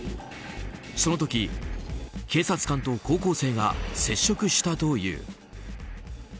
その時、警察官と高校生が接触したという。